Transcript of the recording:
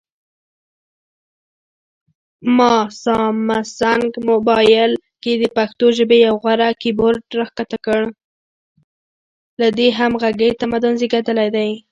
له دې همغږۍ تمدن زېږېدلی دی.